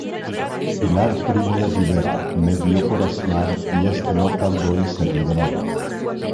Pilar Primo de Rivera medió por Aznar y este no tardó en ser liberado.